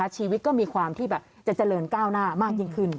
ชีวิตก็มีความที่จะเจริญก้าวหน้ามากยิ่งขึ้น